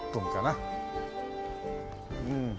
うん。